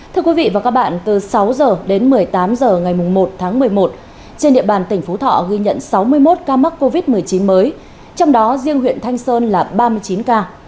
thưa quý vị và các bạn từ sáu h đến một mươi tám h ngày một tháng một mươi một trên địa bàn tỉnh phú thọ ghi nhận sáu mươi một ca mắc covid một mươi chín mới trong đó riêng huyện thanh sơn là ba mươi chín ca